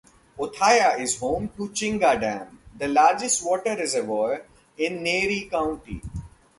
Othaya is home to Chinga dam, the largest water reservoir in the Nyeri County.